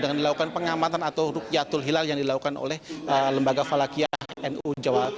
dengan dilakukan pengamatan atau rukyatul hilal yang dilakukan oleh lembaga falakiyah nu